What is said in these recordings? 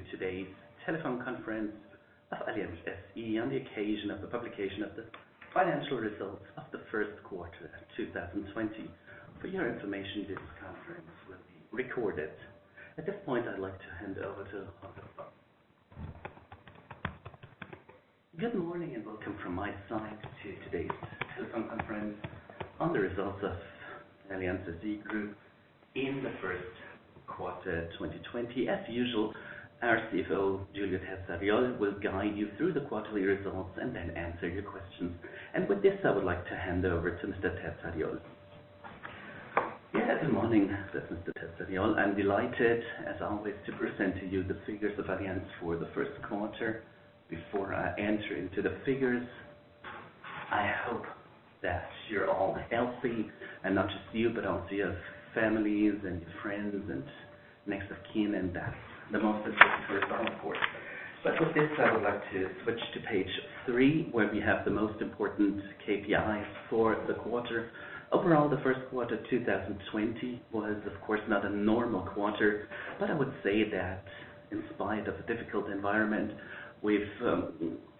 Welcome to today's telephone conference of Allianz SE on the occasion of the publication of the financial results of the first quarter of 2020. For your information, this conference will be recorded. At this point, I'd like to hand over to Claire-Marie Coste. Good morning and welcome from my side to today's telephone conference on the results of Allianz SE Group in the first quarter 2020. As usual, our CFO, Giulio Terzariol, will guide you through the quarterly results and then answer your questions, and with this, I would like to hand over to Mr. Terzariol. Good morning, Mr. Terzariol. I'm delighted, as always, to present to you the figures of Allianz for the first quarter. Before I enter into the figures, I hope that you're all healthy, and not just you, but also your families and your friends and next of kin, and that's the most important result, of course. But with this, I would like to switch to page three, where we have the most important KPIs for the quarter. Overall, the first quarter 2020 was, of course, not a normal quarter, but I would say that in spite of a difficult environment, we've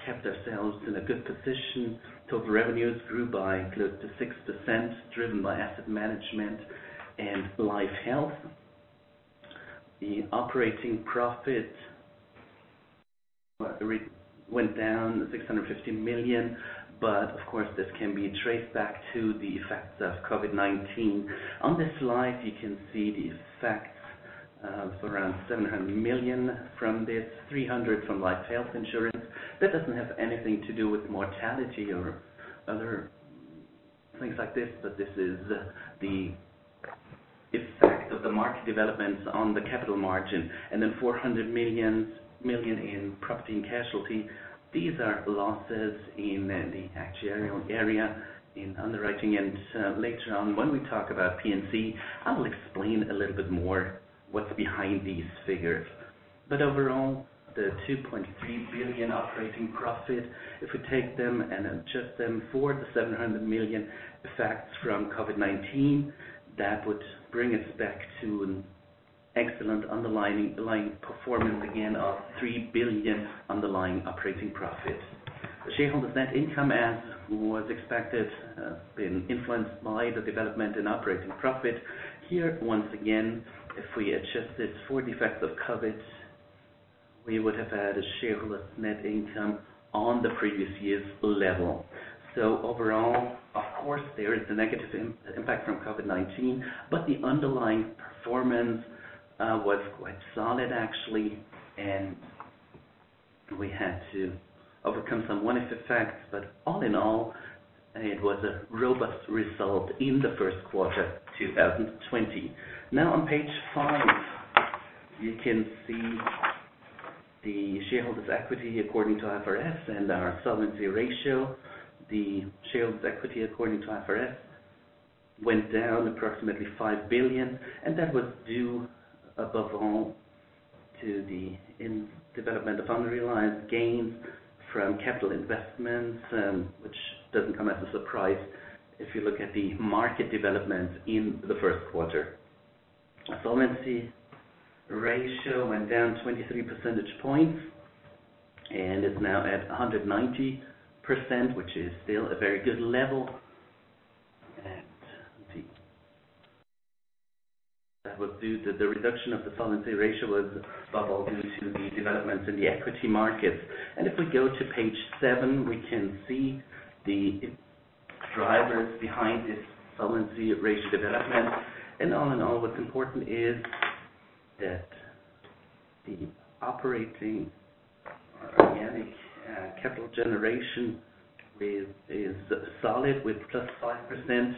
kept ourselves in a good position. Total revenues grew by close to 6%, driven by Asset Management and Life/Health. The operating profit went down 650 million, but of course, this can be traced back to the effects of COVID-19. On this slide, you can see the effects of around €700 million from this, €300 million from Life/Health insurance. That doesn't have anything to do with mortality or other things like this, but this is the effect of the market developments on the capital margin. And then €400 million in Property and Casualty. These are losses in the actuarial area in underwriting. And later on, when we talk about P&C, I will explain a little bit more what's behind these figures. But overall, the €2.3 billion operating profit, if we take them and adjust them for the €700 million effects from COVID-19, that would bring us back to an excellent underlying performance, again, of €3 billion underlying operating profit. The shareholders' net income, as was expected, has been influenced by the development in operating profit. Here, once again, if we adjust this for the effects of COVID, we would have had a shareholders' net income on the previous year's level. So overall, of course, there is the negative impact from COVID-19, but the underlying performance was quite solid, actually, and we had to overcome some one-off effects. But all in all, it was a robust result in the first quarter 2020. Now, on page five, you can see the shareholders' equity according to IFRS and our solvency ratio. The shareholders' equity according to IFRS went down approximately 5 billion, and that was due, above all, to the development of underwriting gains from capital investments, which doesn't come as a surprise if you look at the market developments in the first quarter. The solvency ratio went down 23 percentage points, and it's now at 190%, which is still a very good level. I think that was due to the reduction of the Solvency Ratio, above all, due to the developments in the equity markets. If we go to page seven, we can see the drivers behind this Solvency Ratio development. All in all, what's important is that the operating organic capital generation is solid, with plus 5%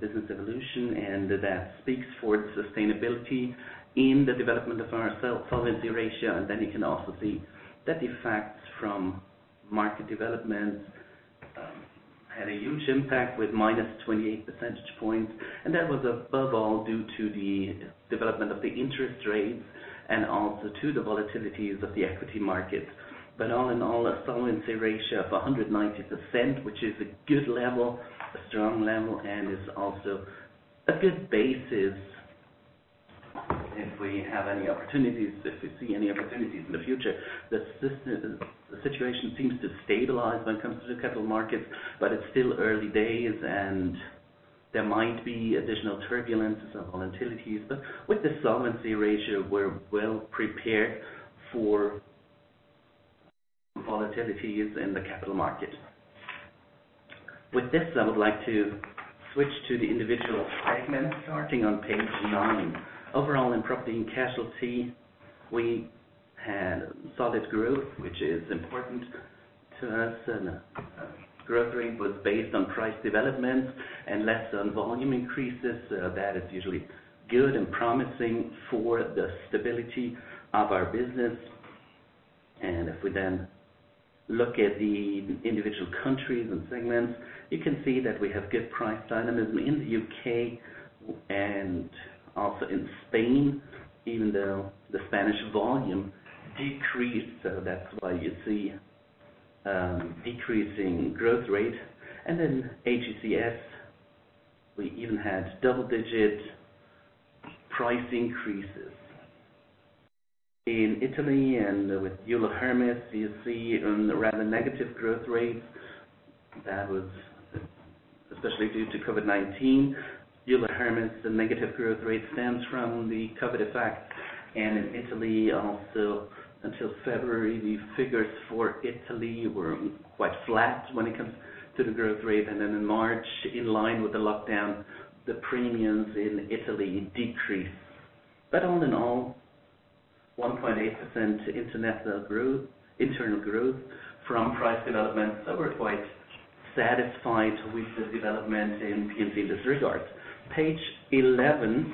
business evolution, and that speaks for the sustainability in the development of our Solvency Ratio. You can also see that the effects from market developments had a huge impact with minus 28 percentage points, and that was, above all, due to the development of the interest rates and also to the volatilities of the equity markets. But all in all, a solvency ratio of 190%, which is a good level, a strong level, and is also a good basis if we have any opportunities, if we see any opportunities in the future. The situation seems to stabilize when it comes to the capital markets, but it's still early days, and there might be additional turbulences and volatilities. But with the solvency ratio, we're well prepared for volatilities in the capital market. With this, I would like to switch to the individual segments, starting on page nine. Overall, in Property and Casualty, we had solid growth, which is important to us. The growth rate was based on price developments and less on volume increases. That is usually good and promising for the stability of our business. And if we then look at the individual countries and segments, you can see that we have good price dynamism in the U.K. and also in Spain, even though the Spanish volume decreased. So that's why you see a decreasing growth rate. And then AGCS, we even had double-digit price increases. In Italy and with Euler Hermes, you see rather negative growth rates. That was especially due to COVID-19. Euler Hermes, the negative growth rate stems from the COVID effect. And in Italy, also until February, the figures for Italy were quite flat when it comes to the growth rate. And then in March, in line with the lockdown, the premiums in Italy decreased. But all in all, 1.8% internal growth from price developments. So we're quite satisfied with the development in P&C in this regard. Page 11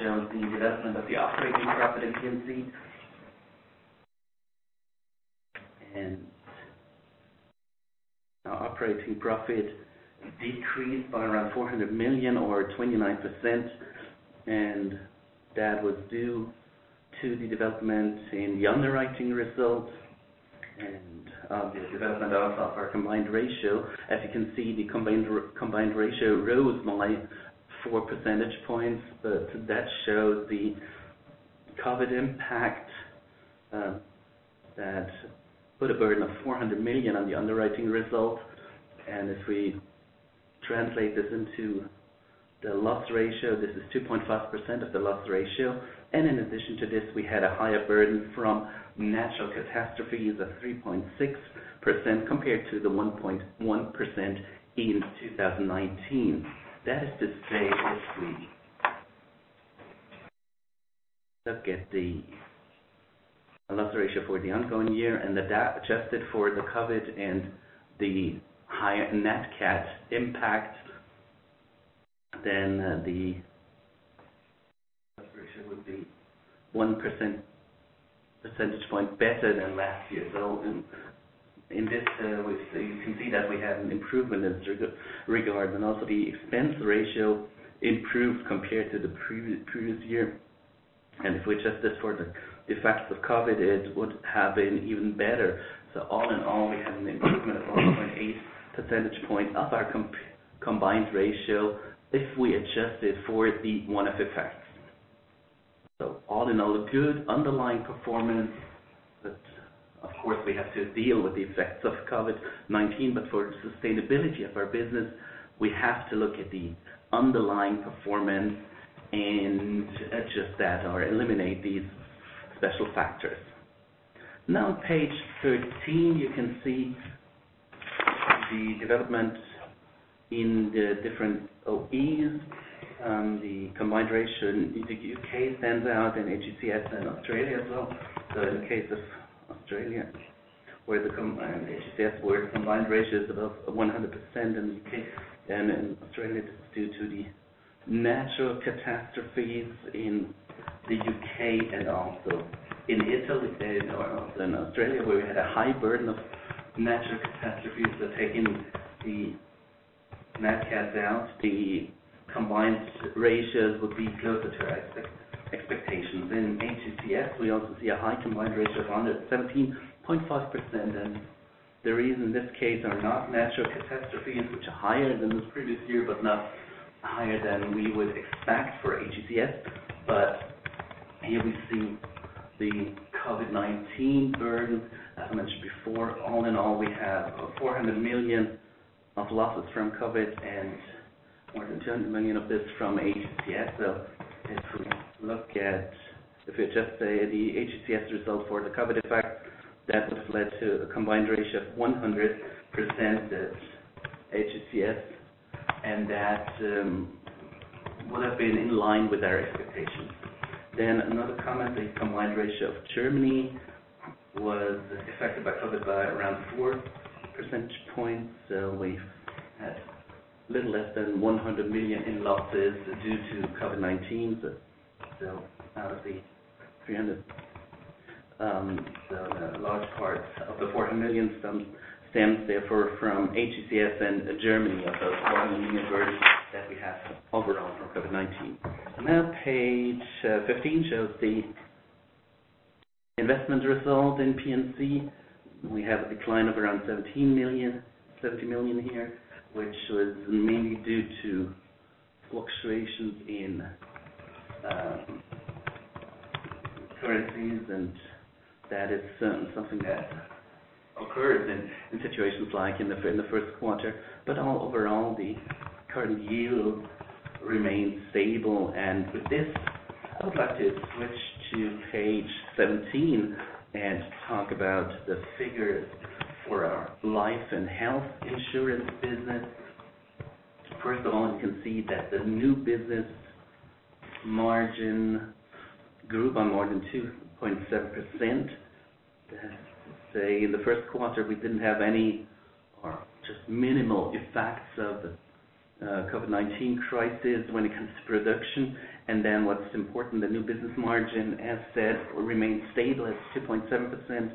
shows the development of the operating profit in P&C. Our operating profit decreased by around 400 million or 29%, and that was due to the development in the underwriting results and the development of our combined ratio. As you can see, the combined ratio rose by 4 percentage points, but that shows the COVID impact that put a burden of 400 million on the underwriting results. If we translate this into the loss ratio, this is 2.5% of the loss ratio. In addition to this, we had a higher burden from natural catastrophes of 3.6% compared to the 1.1% in 2019. That is to say, if we look at the loss ratio for the ongoing year and adjust it for the COVID and the higher NatCat impact, then the loss ratio would be 1 percentage point better than last year. In this, you can see that we have an improvement in this regard. Also the expense ratio improved compared to the previous year. If we adjust this for the effects of COVID, it would have been even better. All in all, we have an improvement of 1.8 percentage points of our combined ratio if we adjust it for the one-off effects. All in all, good underlying performance. Of course, we have to deal with the effects of COVID-19, but for the sustainability of our business, we have to look at the underlying performance and adjust that or eliminate these special factors. Now, on page 13, you can see the development in the different OEs. The combined ratio in the U.K. stands out, and AGCS in Australia as well. So in the case of Australia, where AGCS's combined ratio is above 100% in the UK, then in Australia, this is due to the natural catastrophes in the UK and also in Italy and also in Australia, where we had a high burden of natural catastrophes. So taking the NatCats out, the combined ratios would be closer to expectations. In AGCS, we also see a high combined ratio of 117.5%. And the reason in this case are not natural catastrophes, which are higher than this previous year, but not higher than we would expect for AGCS. But here we see the COVID-19 burden. As I mentioned before, all in all, we have €400 million of losses from COVID and more than €200 million of this from AGCS. So if we look at, if we adjust the AGCS result for the COVID effects, that would have led to a combined ratio of 100% at AGCS, and that would have been in line with our expectations. Then another comment, the combined ratio of Germany was affected by COVID by around four percentage points. So we had a little less than €100 million in losses due to COVID-19. So out of the 300, a large part of the 400 million stems therefore from AGCS and Germany, about one million burden that we have overall from COVID-19. Now, page 15 shows the investment result in P&C. We have a decline of around 17 million, 70 million here, which was mainly due to fluctuations in currencies, and that is something that occurs in situations like in the first quarter. But all overall, the current yield remains stable. With this, I would like to switch to page 17 and talk about the figures for our life and health insurance business. First of all, you can see that the new business margin grew by more than 2.7%. That is to say, in the first quarter, we didn't have any or just minimal effects of the COVID-19 crisis when it comes to production. What's important, the new business margin asset remained stable at 2.7%.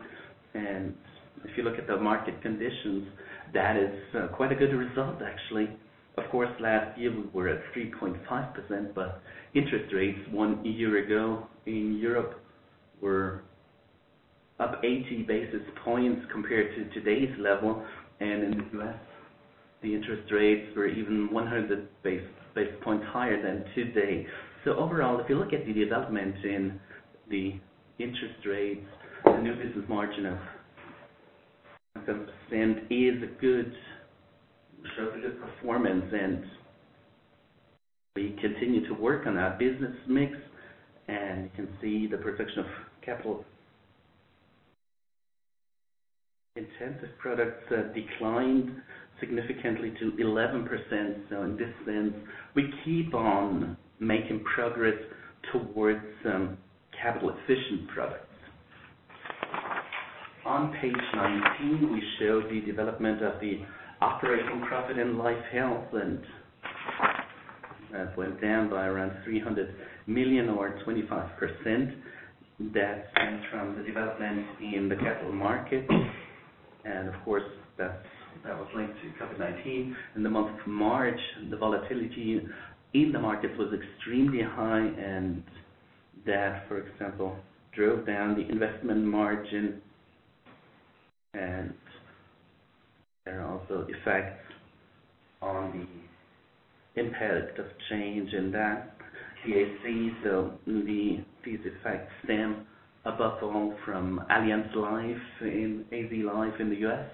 If you look at the market conditions, that is quite a good result, actually. Of course, last year, we were at 3.5%, but interest rates one year ago in Europe were up 80 basis points compared to today's level. In the U.S., the interest rates were even 100 basis points higher than today. So overall, if you look at the development in the interest rates, the new business margin of 7% is a good, shows a good performance. And we continue to work on our business mix. And you can see the production of capital-intensive products declined significantly to 11%. So in this sense, we keep on making progress towards capital-efficient products. On page 19, we show the development of the operating profit in Life/Health, and that went down by around 300 million or 25%. That stems from the development in the capital markets. And of course, that was linked to COVID-19. In the month of March, the volatility in the markets was extremely high, and that, for example, drove down the investment margin. And there are also effects on the impact of change in the AC. So these effects stem above all from Allianz Life in Allianz Life in the U.S.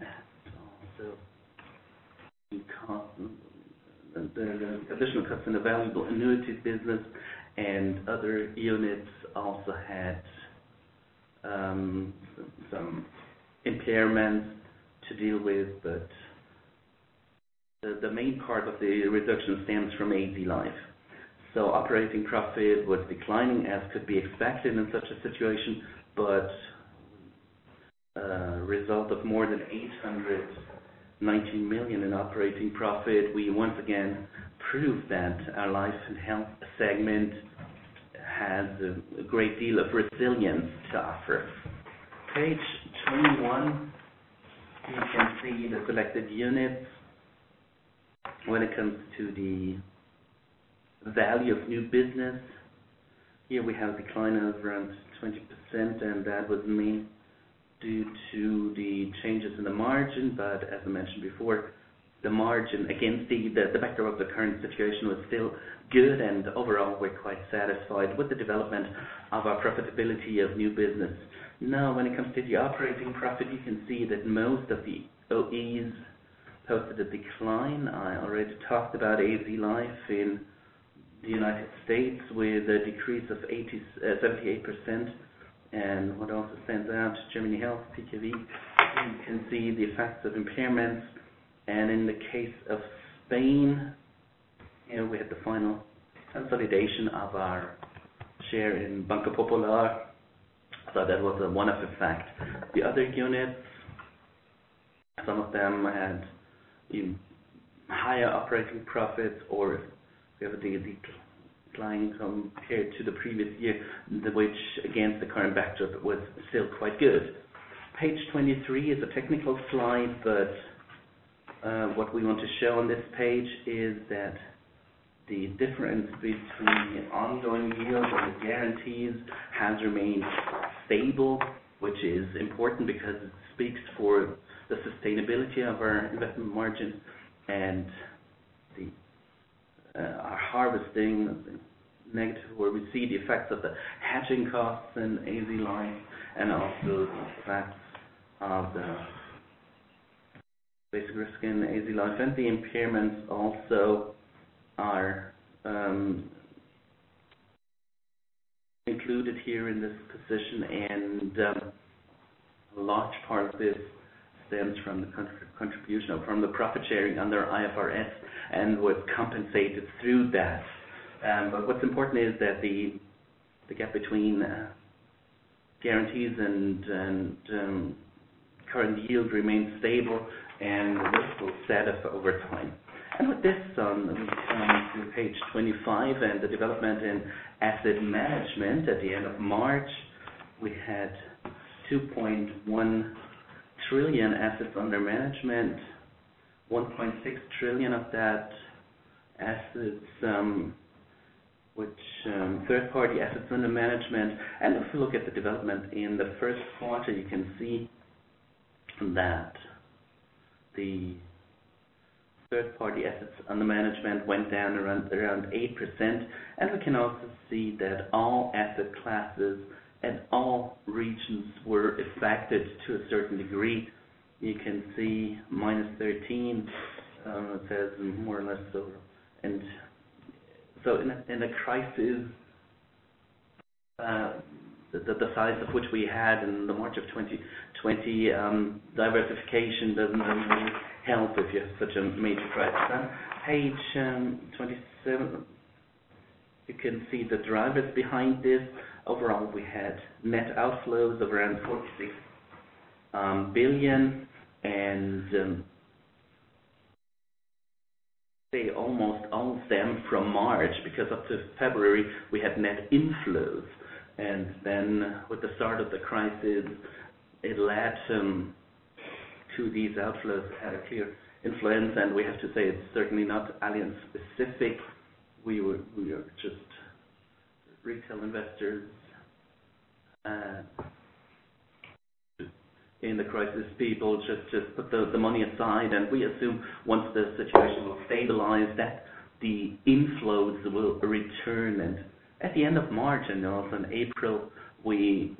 And also the additional cuts in the variable annuity business and other units also had some impairments to deal with. But the main part of the reduction stems from AV Life. So operating profit was declining, as could be expected in such a situation. But a result of more than €819 million in operating profit, we once again proved that our life and health segment has a great deal of resilience to offer. Page 21, you can see the selected units. When it comes to the value of new business, here we have a decline of around 20%, and that was mainly due to the changes in the margin. But as I mentioned before, the margin against the backdrop of the current situation was still good, and overall, we're quite satisfied with the development of our profitability of new business. Now, when it comes to the operating profit, you can see that most of the OEs posted a decline. I already talked about AV Life in the United States with a decrease of 78%. And what also stands out is Germany Health, PKV. You can see the effects of impairments. And in the case of Spain, here we had the final consolidation of our share in Banco Popular. So that was a one-off effect. The other units, some of them had higher operating profits, or if we have a decline compared to the previous year, which against the current backdrop was still quite good. Page 23 is a technical slide, but what we want to show on this page is that the difference between the ongoing yield and the guarantees has remained stable, which is important because it speaks for the sustainability of our investment margins and our harvesting. Negative, where we see the effects of the hedging costs in AV Life and also the effects of the basis risk in AV Life. And the impairments also are included here in this position. And a large part of this stems from the contribution from the profit sharing under IFRS and was compensated through that. But what's important is that the gap between guarantees and current yield remains stable and this will set up over time. And with this, we come to page 25 and the development in Asset Management. At the end of March, we had 2.1 trillion assets under management, 1.6 trillion of that assets, which third-party assets under management. And if we look at the development in the first quarter, you can see that the third-party assets under management went down around 8%. We can also see that all asset classes and all regions were affected to a certain degree. You can see -13%, it says more or less. In a crisis, the size of which we had in March 2020, diversification doesn't really help if you have such a major crisis. On page 27, you can see the drivers behind this. Overall, we had net outflows of around €46 billion, and they almost all stem from March because up to February, we had net inflows. With the start of the crisis, it led to these outflows that had a clear influence. We have to say it's certainly not Allianz specific. We are just retail investors in the crisis, people just put the money aside. We assume once the situation will stabilize, that the inflows will return. At the end of March and also in April, we've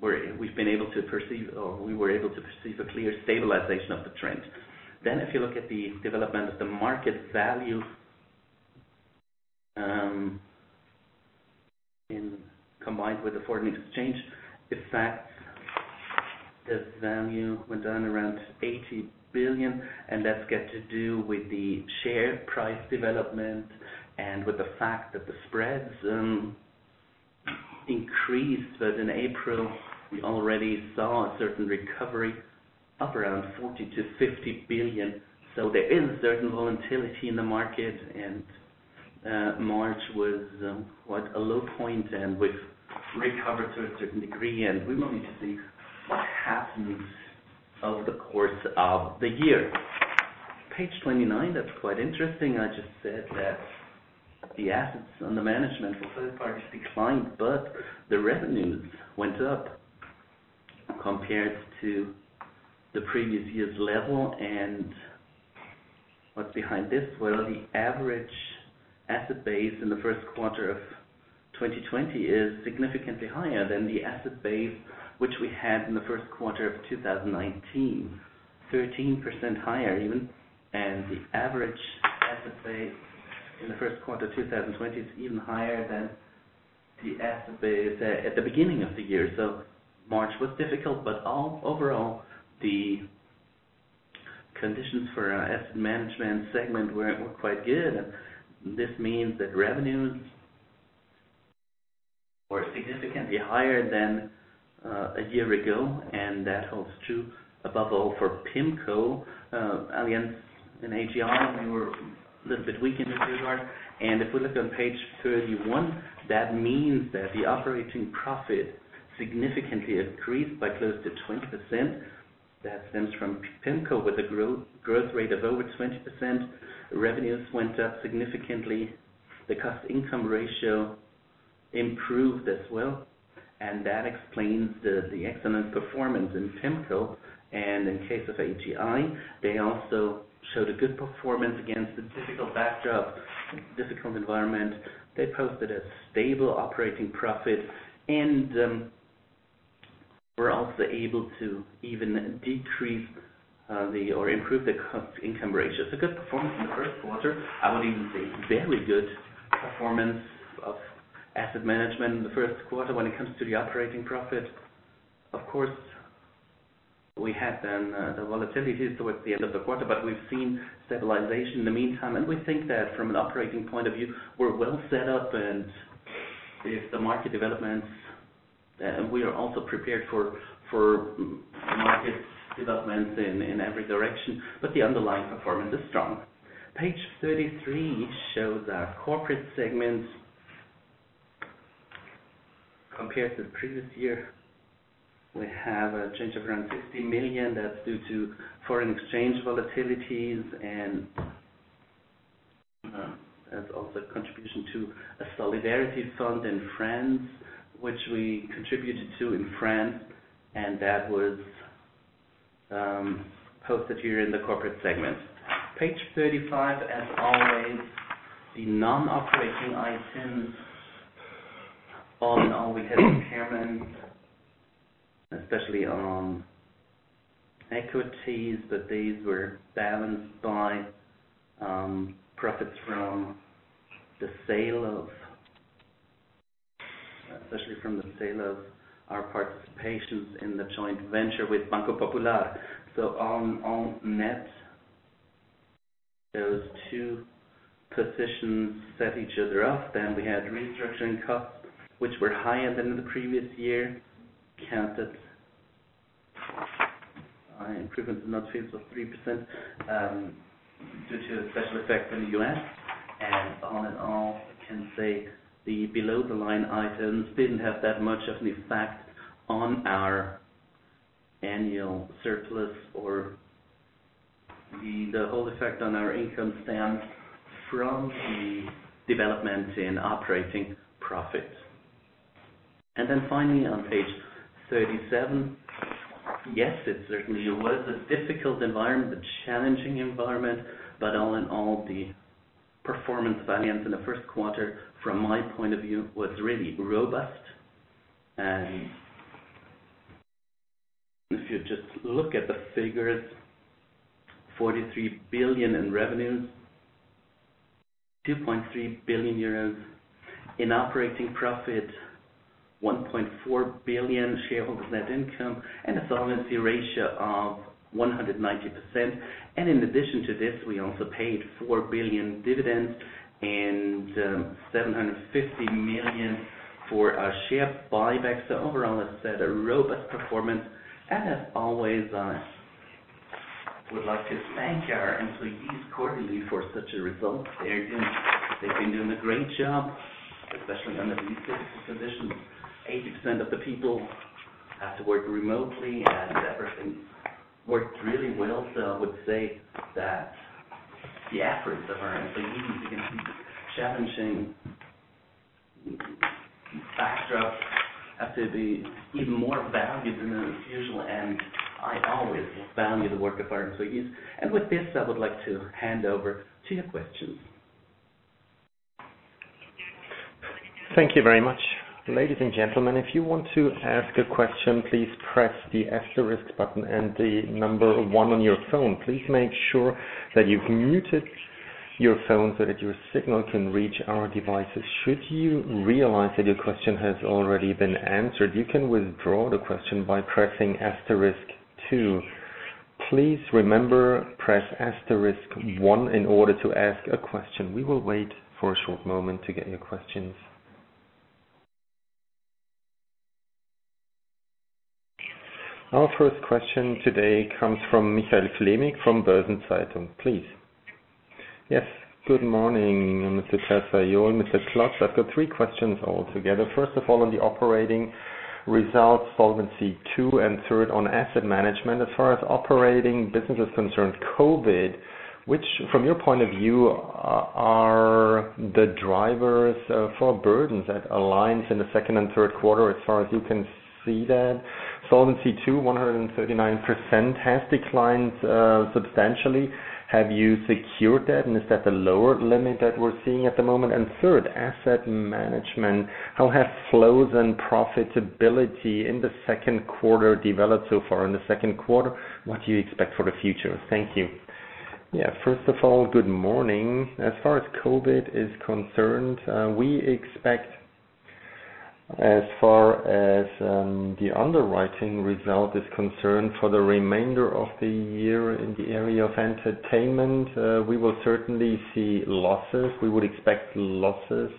been able to perceive, or we were able to perceive a clear stabilization of the trend. If you look at the development of the market value combined with the foreign exchange effects, the value went down around €80 billion. That's got to do with the share price development and with the fact that the spreads increased. In April, we already saw a certain recovery up around €40 billion-€50 billion. There is a certain volatility in the market. March was quite a low point, and we've recovered to a certain degree. We will need to see what happens over the course of the year. Page 29, that's quite interesting. I just said that the assets under management for third parties declined, but the revenues went up compared to the previous year's level. What's behind this? The average asset base in the first quarter of 2020 is significantly higher than the asset base which we had in the first quarter of 2019, 13% higher even. The average asset base in the first quarter of 2020 is even higher than the asset base at the beginning of the year. March was difficult, but overall, the conditions for our Asset Management segment were quite good. This means that revenues were significantly higher than a year ago. That holds true above all for PIMCO, Allianz, and AGI. We were a little bit weak in this regard. If we look on page 31, that means that the operating profit significantly increased by close to 20%. That stems from PIMCO with a growth rate of over 20%. Revenues went up significantly. The cost-income ratio improved as well. That explains the excellent performance in PIMCO. In case of AGI, they also showed a good performance against the difficult backdrop, difficult environment. They posted a stable operating profit, and we're also able to even decrease or improve the cost-income ratio. It's a good performance in the first quarter. I would even say very good performance of Asset Management in the first quarter when it comes to the operating profit. Of course, we had then the volatility towards the end of the quarter, but we've seen stabilization in the meantime. We think that from an operating point of view, we're well set up. If the market developments, we are also prepared for market developments in every direction. But the underlying performance is strong. Page 33 shows our corporate segment compared to the previous year. We have a change of around 60 million. That's due to foreign exchange volatilities. And that's also a contribution to a Solidarity Fund in France, which we contributed to in France. And that was posted here in the corporate segment. Page 35, as always, the non-operating items. All in all, we had impairments, especially on equities, but these were balanced by profits from the sale of, especially from the sale of our participations in the joint venture with Banco Popular. So on net, those two positions set each other up. Then we had restructuring costs, which were higher than in the previous year, countered by improvement in net fees of 3% due to a special effect in the U.S. And all in all, I can say the below-the-line items didn't have that much of an effect on our annual surplus or the whole effect on our income stems from the development in operating profit. Then finally, on page 37, yes, it certainly was a difficult environment, a challenging environment. All in all, the performance of Allianz in the first quarter, from my point of view, was really robust. If you just look at the figures, €43 billion in revenues, €2.3 billion in operating profit, €1.4 billion shareholders net income, and a solvency ratio of 190%. In addition to this, we also paid €4 billion dividends and €750 million for our share buyback. Overall, I said a robust performance. As always, I would like to thank our employees cordially for such a result. They've been doing a great job, especially under these difficult positions. 80% of the people have to work remotely, and everything worked really well. So I would say that the efforts of our employees against these challenging backdrops have to be even more valued than usual. And I always value the work of our employees. And with this, I would like to hand over to your questions. Thank you very much. Ladies and gentlemen, if you want to ask a question, please press the asterisk button and the number one on your phone. Please make sure that you've muted your phone so that your signal can reach our devices. Should you realize that your question has already been answered, you can withdraw the question by pressing asterisk two. Please remember, press asterisk one in order to ask a question. We will wait for a short moment to get your questions. Our first question today comes from Michael Flämig from Börsen-Zeitung. Please. Yes. Good morning, Mr. Terzariol. Mr. Bäte, I've got three questions altogether. First of all, on the operating results, Solvency II, and third on Asset Management. As far as operating business is concerned, COVID, which from your point of view are the drivers for burdens at Allianz in the second and third quarter, as far as you can see that? Solvency II, 139%, has declined substantially. Have you secured that? And is that the lower limit that we're seeing at the moment? And third, Asset Management, how have flows and profitability in the second quarter developed so far in the second quarter? What do you expect for the future? Thank you. Yeah. First of all, good morning. As far as COVID is concerned, we expect as far as the underwriting result is concerned for the remainder of the year in the area of Entertainment, we will certainly see losses. We would expect losses.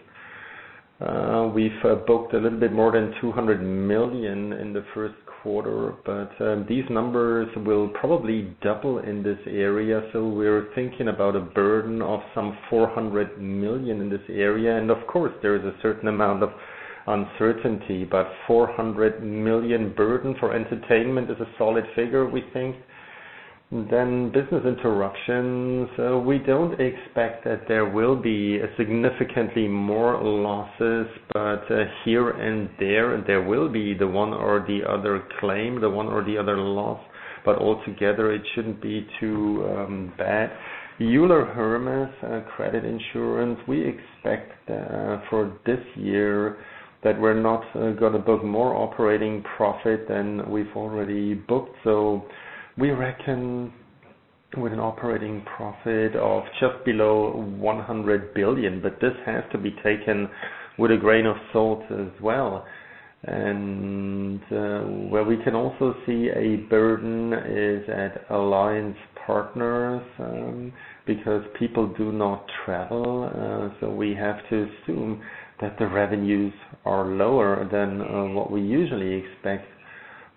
We've booked a little bit more than 200 million in the first quarter, but these numbers will probably double in this area. So we're thinking about a burden of some 400 million in this area. And of course, there is a certain amount of uncertainty, but 400 million burden for Entertainment is a solid figure, we think. Then business interruptions. We don't expect that there will be significantly more losses, but here and there, there will be the one or the other claim, the one or the other loss. But altogether, it shouldn't be too bad. Euler Hermes Credit Insurance, we expect for this year that we're not going to book more operating profit than we've already booked. So we reckon with an operating profit of just below 100 billion. But this has to be taken with a grain of salt as well. And where we can also see a burden is at Allianz Partners because people do not travel. So we have to assume that the revenues are lower than what we usually expect.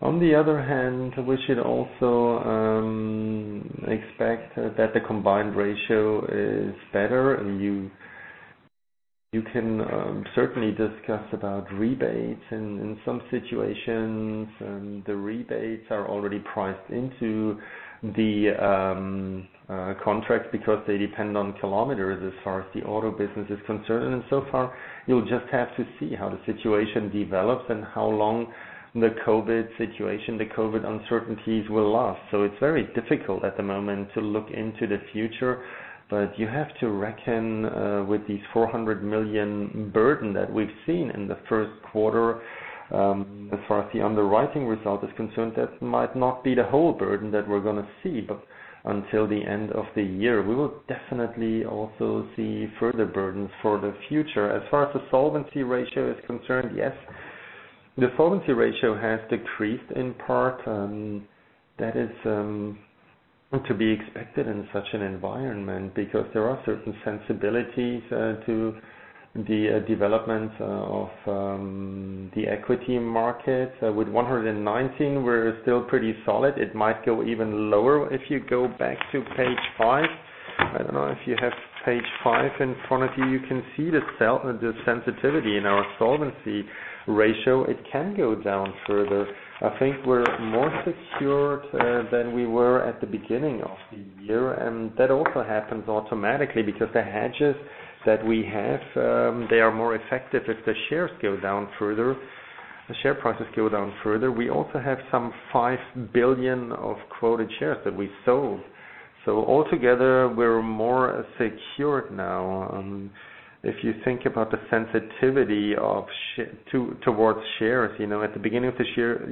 On the other hand, we should also expect that the combined ratio is better. And you can certainly discuss about rebates in some situations. The rebates are already priced into the contract because they depend on kilometers as far as the auto business is concerned. And so far, you'll just have to see how the situation develops and how long the COVID situation, the COVID uncertainties will last. So it's very difficult at the moment to look into the future. But you have to reckon with these 400 million burden that we've seen in the first quarter. As far as the underwriting result is concerned, that might not be the whole burden that we're going to see until the end of the year. We will definitely also see further burdens for the future. As far as the solvency ratio is concerned, yes, the solvency ratio has decreased in part. That is to be expected in such an environment because there are certain sensibilities to the developments of the equity markets. With 119, we're still pretty solid. It might go even lower if you go back to page five. I don't know if you have page five in front of you. You can see the sensitivity in our solvency ratio. It can go down further. I think we're more secured than we were at the beginning of the year. That also happens automatically because the hedges that we have, they are more effective if the shares go down further, the share prices go down further. We also have some 5 billion of quoted shares that we sold. So altogether, we're more secured now. If you think about the sensitivity towards shares, at the beginning of the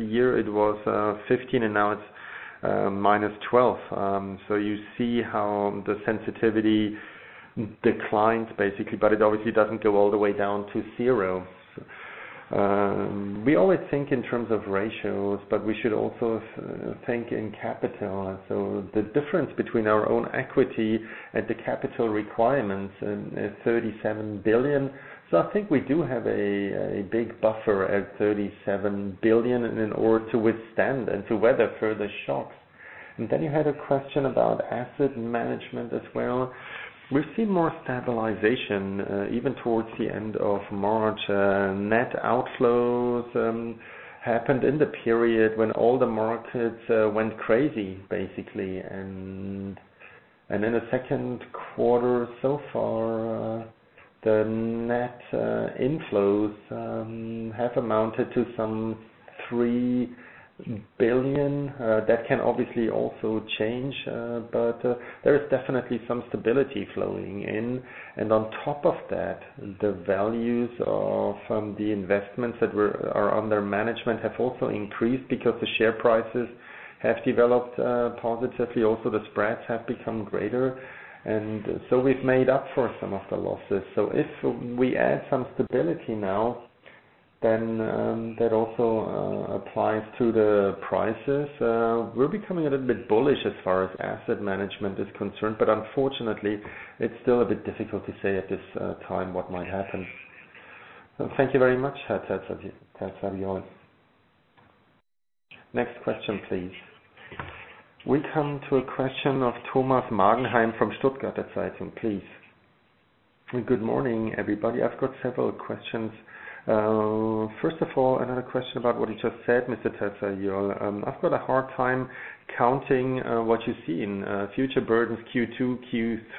year, it was 15, and now it's minus 12. So you see how the sensitivity declines, basically, but it obviously doesn't go all the way down to zero. We always think in terms of ratios, but we should also think in capital. So the difference between our own equity and the capital requirements is 37 billion. So I think we do have a big buffer at 37 billion in order to withstand and to weather further shocks. And then you had a question about Asset Management as well. We've seen more stabilization even towards the end of March. Net outflows happened in the period when all the markets went crazy, basically. And in the second quarter so far, the net inflows have amounted to some 3 billion. That can obviously also change, but there is definitely some stability flowing in. And on top of that, the values of the investments that are under management have also increased because the share prices have developed positively. Also, the spreads have become greater. And so we've made up for some of the losses. So if we add some stability now, then that also applies to the prices. We're becoming a little bit bullish as far as Asset Management is concerned. But unfortunately, it's still a bit difficult to say at this time what might happen. Thank you very much, Terzariol. Next question, please. We come to a question from Thomas Magenheim from Stuttgart. Please. Good morning, everybody. I've got several questions. First of all, another question about what you just said, Mr. Terzariol. I've got a hard time counting what you see in future burdens, Q2,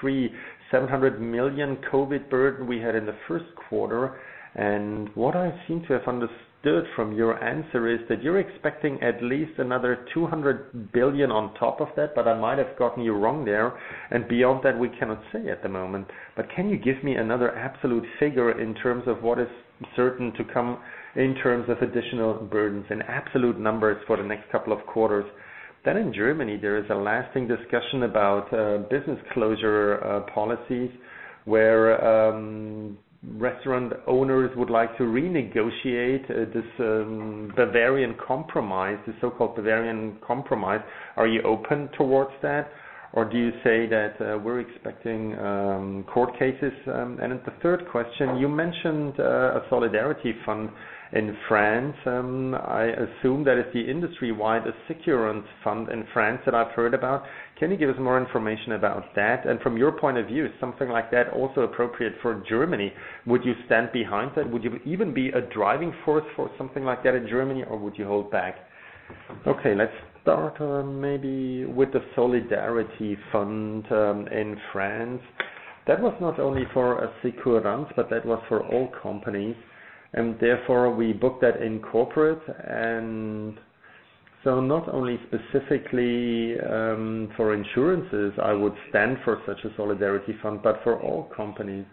Q3, 700 million COVID burden we had in the first quarter. And what I seem to have understood from your answer is that you're expecting at least another 200 billion on top of that, but I might have gotten you wrong there. And beyond that, we cannot say at the moment. But can you give me another absolute figure in terms of what is certain to come in terms of additional burdens and absolute numbers for the next couple of quarters? Then in Germany, there is a lasting discussion about business closure policies where restaurant owners would like to renegotiate this Bavarian Compromise, the so-called Bavarian Compromise. Are you open towards that, or do you say that we're expecting court cases? And then the third question, you mentioned a Solidarity Fund in France. I assume that is the industry-wide assurance fund in France that I've heard about. Can you give us more information about that? And from your point of view, is something like that also appropriate for Germany? Would you stand behind that? Would you even be a driving force for something like that in Germany, or would you hold back? Okay. Let's start maybe with the Solidarity Fund in France. That was not only for assurance, but that was for all companies. And therefore, we booked that in corporate. And so not only specifically for insurances, I would stand for such a Solidarity Fund, but for all companies,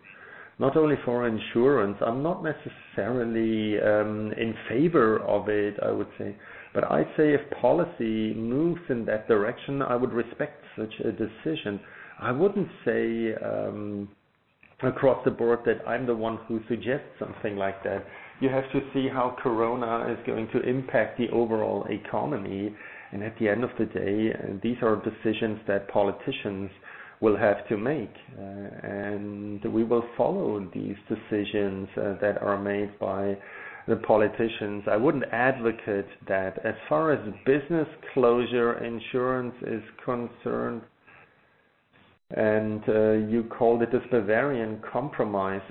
not only for insurance. I'm not necessarily in favor of it, I would say. But I'd say if policy moves in that direction, I would respect such a decision. I wouldn't say across the board that I'm the one who suggests something like that. You have to see how corona is going to impact the overall economy. And at the end of the day, these are decisions that politicians will have to make. And we will follow these decisions that are made by the politicians. I wouldn't advocate that. As far as business closure insurance is concerned, and you called it this Bavarian Compromise,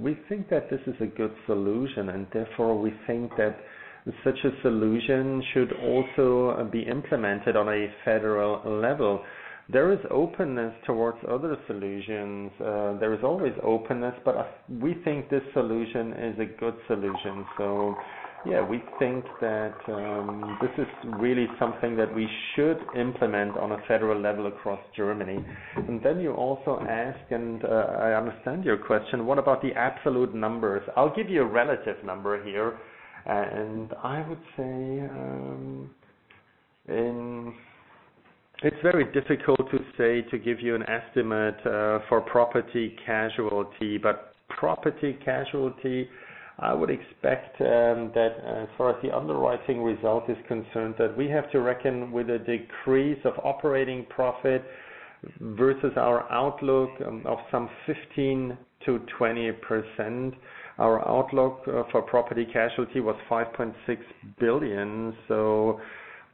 we think that this is a good solution. And therefore, we think that such a solution should also be implemented on a federal level. There is openness towards other solutions. There is always openness, but we think this solution is a good solution. Yeah, we think that this is really something that we should implement on a federal level across Germany. And then you also ask, and I understand your question, what about the absolute numbers? I'll give you a relative number here. And I would say it's very difficult to say to give you an estimate for property casualty. But property casualty, I would expect that as far as the underwriting result is concerned, that we have to reckon with a decrease of operating profit versus our outlook of some 15%-20%. Our outlook for property casualty was €5.6 billion. So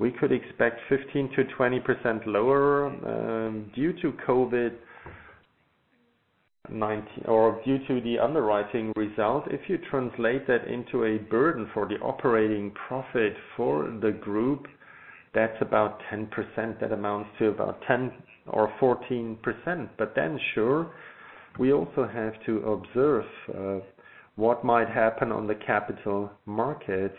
we could expect 15%-20% lower due to COVID or due to the underwriting result. If you translate that into a burden for the operating profit for the group, that's about 10%. That amounts to about 10% or 14%. But then, sure, we also have to observe what might happen on the capital markets.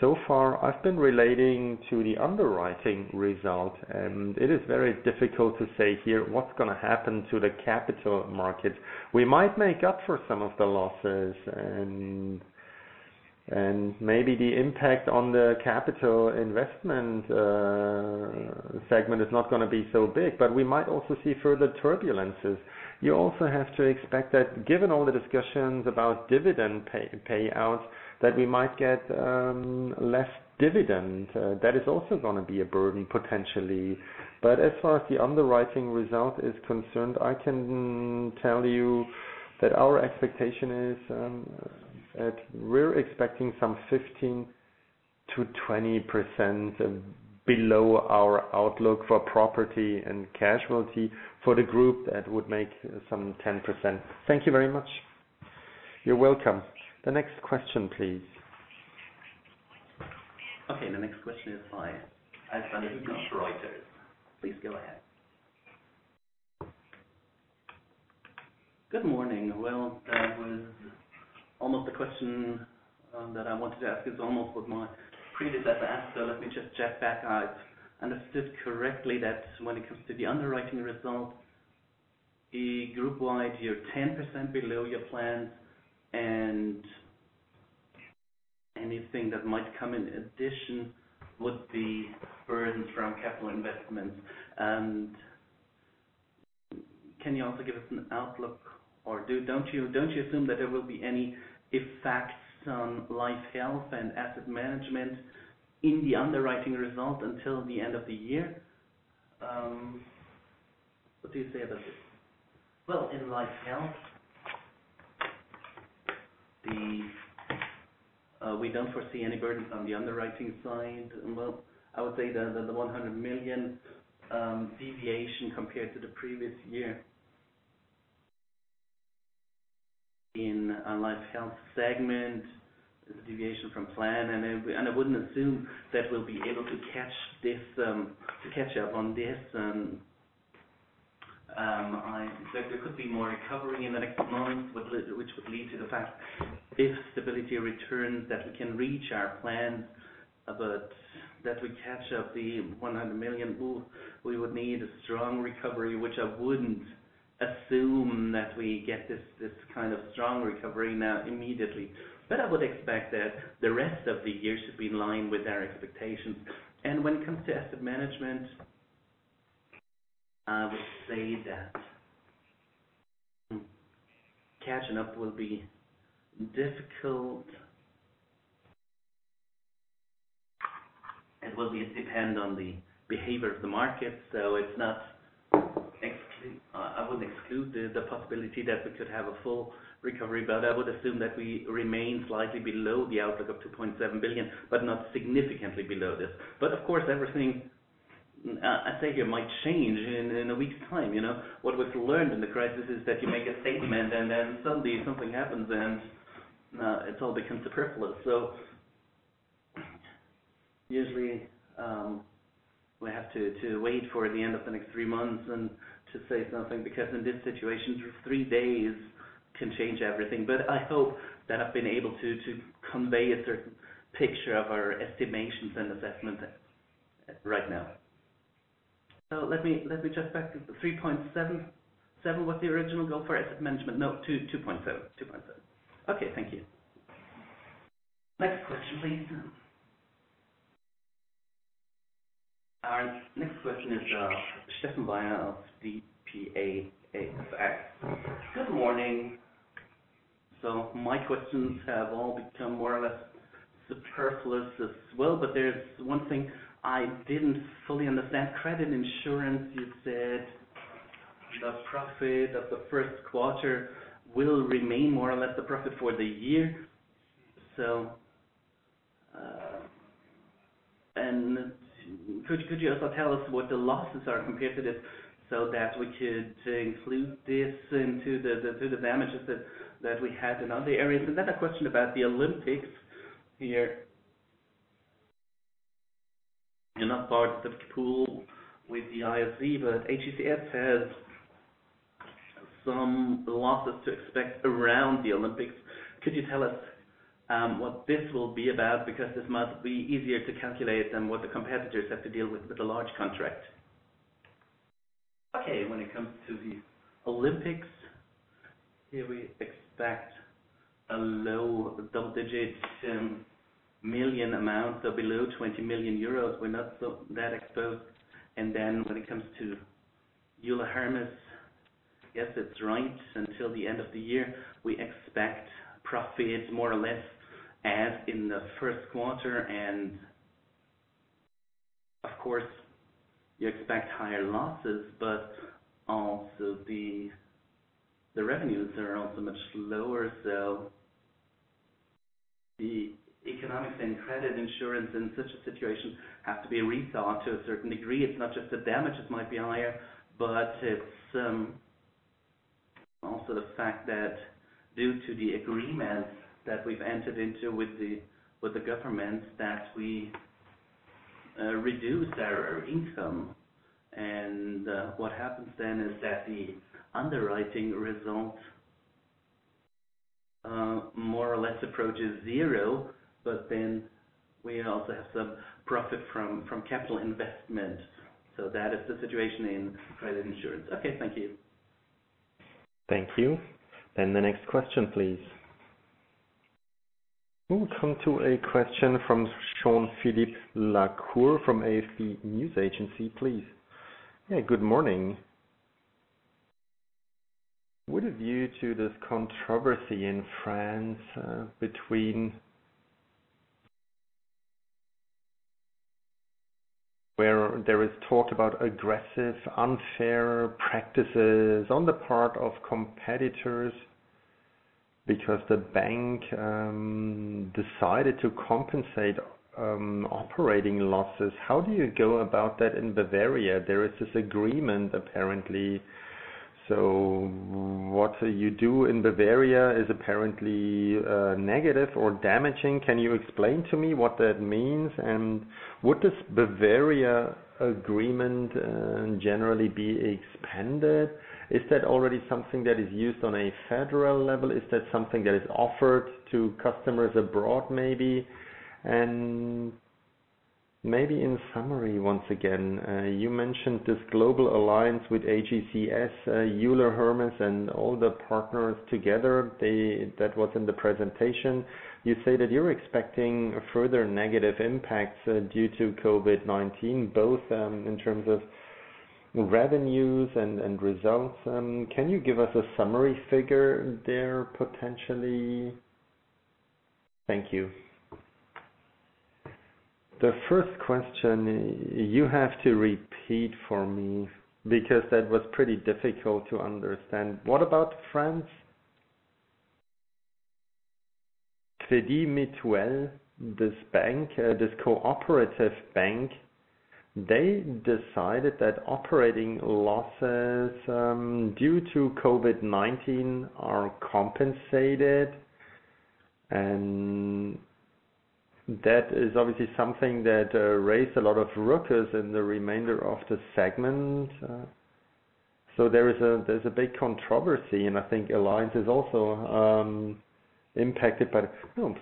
So far, I've been relating to the underwriting result. And it is very difficult to say here what's going to happen to the capital markets. We might make up for some of the losses. And maybe the impact on the capital investment segment is not going to be so big, but we might also see further turbulences. You also have to expect that given all the discussions about dividend payouts, that we might get less dividend. That is also going to be a burden potentially. But as far as the underwriting result is concerned, I can tell you that our expectation is that we're expecting some 15%-20% below our outlook for Property and Casualty for the group that would make some 10%. Thank you very much. You're welcome. The next question, please. Okay. The next question is by Alexander Hübner, Reuters. Please go ahead. Good morning. Well, that was almost the question that I wanted to ask. It's almost what my predecessor asked. So let me just check back. I understood correctly that when it comes to the underwriting result, the group-wide you're 10% below your plans. And anything that might come in addition would be burdens from capital investments. And can you also give us an outlook? Or don't you assume that there will be any effects on Life/Health and Asset Management in the underwriting result until the end of the year? What do you say about this? Well, in Life/Health, we don't foresee any burdens on the underwriting side. Well, I would say that the €100 million deviation compared to the previous year in Life/Health segment is a deviation from plan. I wouldn't assume that we'll be able to catch up on this. There could be more recovery in the next month, which would lead to the fact if stability returns that we can reach our plans that we catch up the 100 million. We would need a strong recovery, which I wouldn't assume that we get this kind of strong recovery now immediately. I would expect that the rest of the year should be in line with our expectations. When it comes to Asset Management, I would say that catching up will be difficult. It will depend on the behavior of the market. I wouldn't exclude the possibility that we could have a full recovery. I would assume that we remain slightly below the outlook of 2.7 billion, but not significantly below this. But of course, everything I say here might change in a week's time. What we've learned in the crisis is that you make a statement, and then suddenly something happens, and it all becomes superfluous. So usually, we have to wait for the end of the next three months to say something because in this situation, three days can change everything. But I hope that I've been able to convey a certain picture of our estimations and assessments right now. So let me check back. 3.7 was the original goal for Asset Management? No, 2.7. 2.7. Okay. Thank you. Next question, please. Our next question is Steffen Weyer of dpa-AFX. Good morning. So my questions have all become more or less superfluous as well. But there's one thing I didn't fully understand. Credit insurance, you said the profit of the first quarter will remain more or less the profit for the year. And could you also tell us what the losses are compared to this so that we could include this into the damages that we had in other areas? And then a question about the Olympics here. You're not part of the pool with the IOC, but AGCS has some losses to expect around the Olympics. Could you tell us what this will be about because this might be easier to calculate than what the competitors have to deal with with a large contract? Okay. When it comes to the Olympics, here we expect a low double-digit million amount, so below 20 million euros. We're not that exposed. And then when it comes to Euler Hermes, yes, it's right. Until the end of the year, we expect profits more or less as in the first quarter. And of course, you expect higher losses, but also the revenues are also much lower. So the economics and credit insurance in such a situation have to be rethought to a certain degree. It's not just the damages might be higher, but it's also the fact that due to the agreement that we've entered into with the government that we reduce our income. And what happens then is that the underwriting result more or less approaches zero, but then we also have some profit from capital investment. So that is the situation in credit insurance. Okay. Thank you. Thank you. Then the next question, please. We'll come to a question from Jean-Philippe Lacour from AFP News Agency, please. Yeah. Good morning. With a view to this controversy in France between where there is talk about aggressive unfair practices on the part of competitors because the bank decided to compensate operating losses. How do you go about that in Bavaria? There is this agreement apparently. So what you do in Bavaria is apparently negative or damaging. Can you explain to me what that means? And would this Bavaria agreement generally be expanded? Is that already something that is used on a federal level? Is that something that is offered to customers abroad maybe? And maybe in summary, once again, you mentioned this global alliance with AGCS, Euler Hermes, and all the partners together. That was in the presentation. You say that you're expecting further negative impacts due to COVID-19, both in terms of revenues and results. Can you give us a summary figure there potentially? Thank you. The first question, you have to repeat for me because that was pretty difficult to understand. What about France? Crédit Mutuel, this cooperative bank, they decided that operating losses due to COVID-19 are compensated. And that is obviously something that raised a lot of ruckus in the remainder of the segment. So there's a big controversy. And I think Allianz is also impacted. But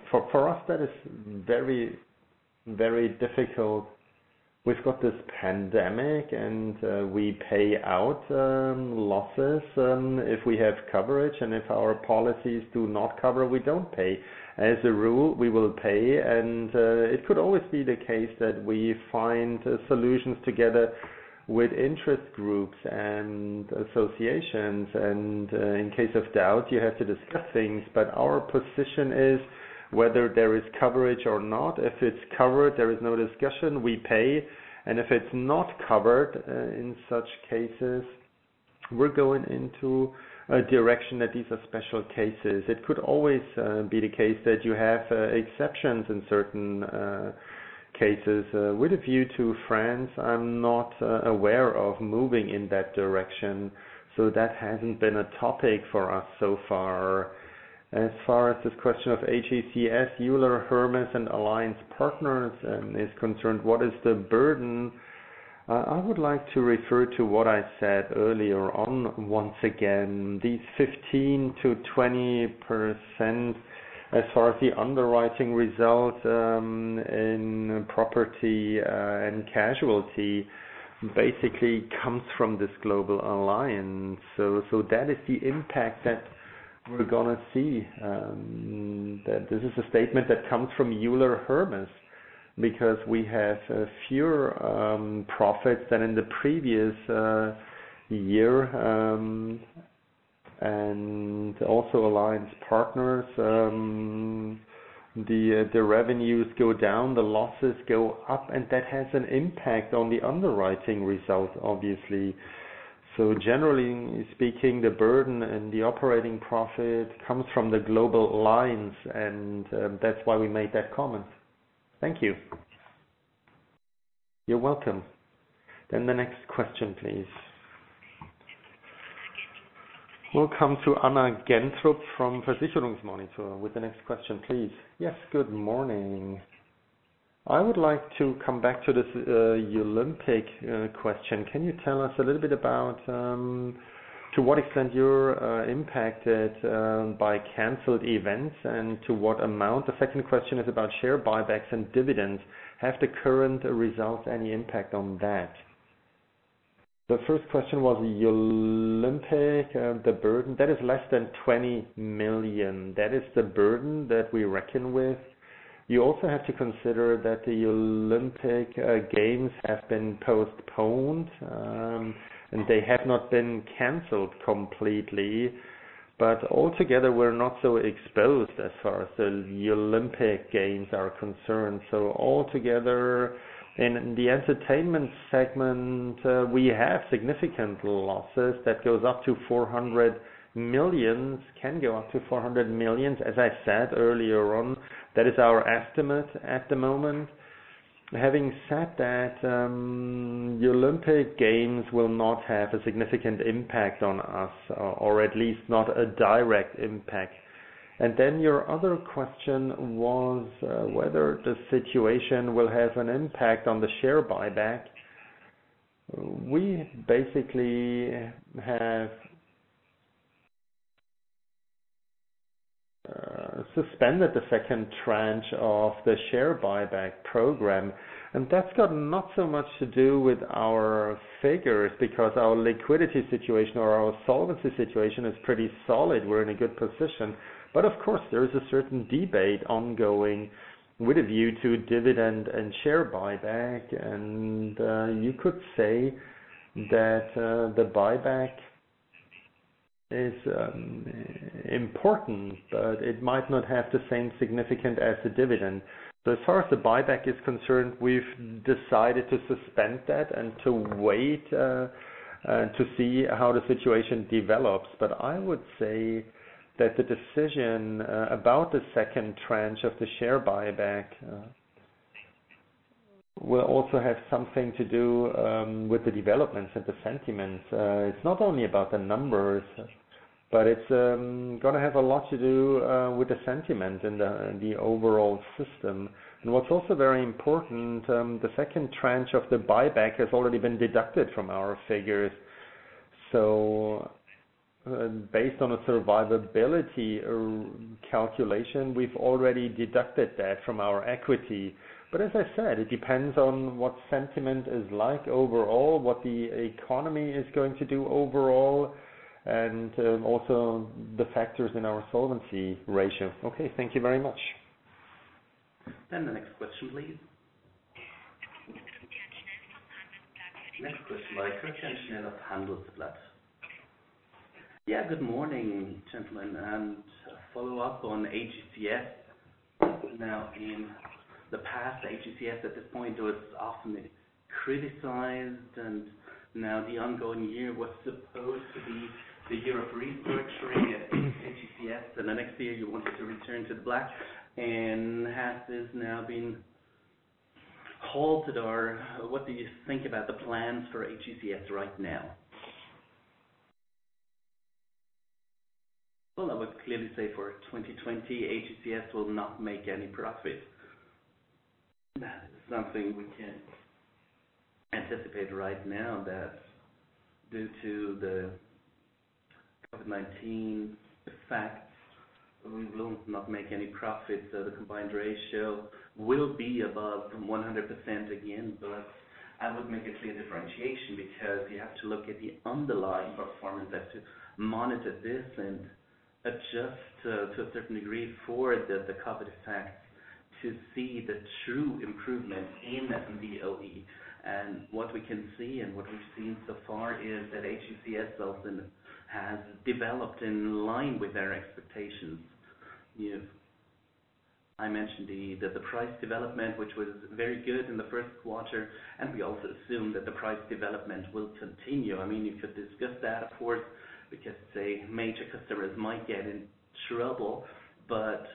for us, that is very, very difficult. We've got this pandemic, and we pay out losses if we have coverage. And if our policies do not cover, we don't pay. As a rule, we will pay. And it could always be the case that we find solutions together with interest groups and associations. And in case of doubt, you have to discuss things. But our position is whether there is coverage or not. If it's covered, there is no discussion. We pay. And if it's not covered in such cases, we're going into a direction that these are special cases. It could always be the case that you have exceptions in certain cases. With a view to France, I'm not aware of moving in that direction. So that hasn't been a topic for us so far. As far as this question of AGCS, Euler Hermes, and Allianz Partners is concerned, what is the burden? I would like to refer to what I said earlier on once again. These 15%-20% as far as the underwriting result in Property and Casualty basically comes from this global alliance. So that is the impact that we're going to see. This is a statement that comes from Euler Hermes because we have fewer profits than in the previous year. And also Allianz Partners, the revenues go down, the losses go up, and that has an impact on the underwriting result, obviously. So generally speaking, the burden and the operating profit comes from the Allianz. And that's why we made that comment. Thank you. You're welcome. Then the next question, please. We'll come to Anna Gentrup from Versicherungsmonitor with the next question, please. Yes. Good morning. I would like to come back to this Olympic question. Can you tell us a little bit about to what extent you're impacted by canceled events and to what amount? The second question is about share buybacks and dividends. Has the current result any impact on that? The first question was Olympic. That is less than €20 million. That is the burden that we reckon with. You also have to consider that the Olympic Games have been postponed, and they have not been canceled completely, but altogether, we're not so exposed as far as the Olympic Games are concerned, so altogether, in the Entertainment segment, we have significant losses. That goes up to €400 million, can go up to €400 million, as I said earlier on. That is our estimate at the moment. Having said that, the Olympic Games will not have a significant impact on us, or at least not a direct impact, and then your other question was whether the situation will have an impact on the share buyback. We basically have suspended the second tranche of the share buyback program, and that's got not so much to do with our figures because our liquidity situation or our solvency situation is pretty solid. We're in a good position. But of course, there is a certain debate ongoing with a view to dividend and share buyback. And you could say that the buyback is important, but it might not have the same significance as the dividend. But as far as the buyback is concerned, we've decided to suspend that and to wait to see how the situation develops. But I would say that the decision about the second tranche of the share buyback will also have something to do with the developments and the sentiments. It's not only about the numbers, but it's going to have a lot to do with the sentiment and the overall system. And what's also very important, the second tranche of the buyback has already been deducted from our figures. So based on a survivability calculation, we've already deducted that from our equity. But as I said, it depends on what sentiment is like overall, what the economy is going to do overall, and also the factors in our solvency ratio. Okay. Thank you very much. Then the next question, please. Next question, I couldn't handle that. Yeah. Good morning, gentlemen. And follow-up on AGCS. Now, in the past, AGCS at this point was often criticized. And now, the ongoing year was supposed to be the year of refurbishing AGCS. And the next year, you wanted to return to the black. And has this now been halted? Or what do you think about the plans for AGCS right now? Well, I would clearly say for 2020, AGCS will not make any profit. That is something we can anticipate right now that due to the COVID-19 impacts, we will not make any profits. So the combined ratio will be above 100% again. But I would make a clear differentiation because you have to look at the underlying performance to monitor this and adjust to a certain degree for the COVID effects to see the true improvement in the VOE. And what we can see and what we've seen so far is that AGCS has developed in line with their expectations. I mentioned the price development, which was very good in the first quarter. And we also assume that the price development will continue. I mean, you could discuss that, of course, because major customers might get in trouble. But